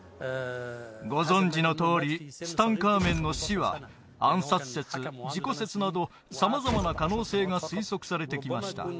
ご存じのとおりツタンカーメンの死は暗殺説事故説など様々な可能性が推測されてきました